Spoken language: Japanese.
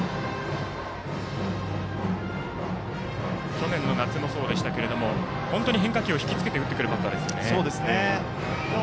去年の夏もそうでしたけど本当に変化球を引きつけて打ってくるバッターですよね。